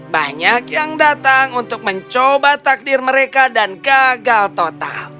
banyak yang datang untuk mencoba takdir mereka dan gagal total